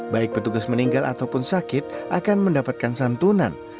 baik petugas meninggal ataupun sakit akan mendapatkan santunan